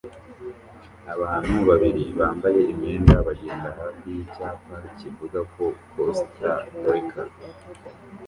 Abantu babiri bambaye imyenda bagenda hafi yicyapa kivuga ko Costa Rica